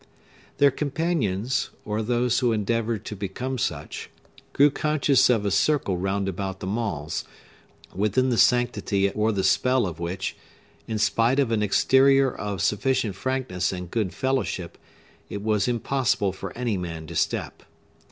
Their companions, or those who endeavored to become such, grew conscious of a circle round about the Maules, within the sanctity or the spell of which, in spite of an exterior of sufficient frankness and good fellowship, it was impossible for any man to step.